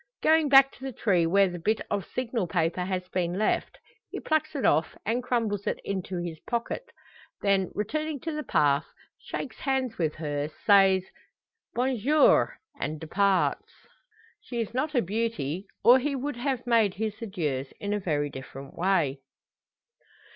Going back to the tree where the bit of signal paper has been left, he plucks it off, and crumbles it into his pocket. Then, returning to the path, shakes hands with her, says "Bonjour!" and departs. She is not a beauty, or he would have made his adieus in a very different way.